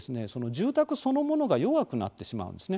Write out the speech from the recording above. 住宅そのものが弱くなってしまうんですね。